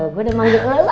gua udah manggil elu